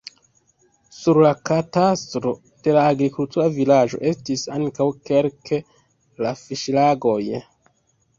Sur la katastro de la agrikultura vilaĝo estis ankaŭ kelke da fiŝlagoj.